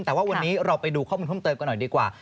แต่ว่าวันนี้เราไปดูข้อมูลเพิ่มเติมกันหน่อยดีกว่า